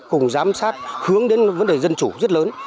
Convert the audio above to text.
cùng giám sát hướng đến vấn đề dân chủ rất lớn